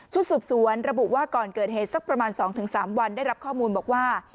สืบสวนระบุว่าก่อนเกิดเหตุสักประมาณ๒๓วันได้รับข้อมูลบอกว่า